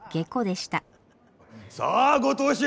さあご当主！